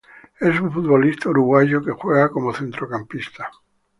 Es un futbolista uruguayo que juega como centrocampista.